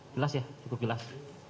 jelas ya cukup jelas